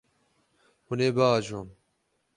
Hûn ê biajon.